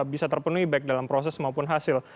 bisa terpenuhi baik dalam proses maupun hasil